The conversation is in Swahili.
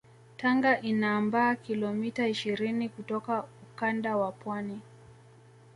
Tanga inaambaa kilomita ishirini kutoka ukanda wa pwani